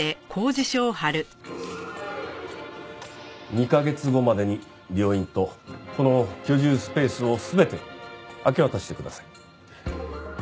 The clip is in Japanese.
２カ月後までに病院とこの居住スペースを全て明け渡してください。